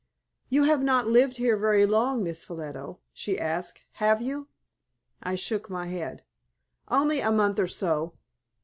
"You have not lived here very long, Miss Ffolliot?" she asked, "have you?" I shook my head. "Only a month or so."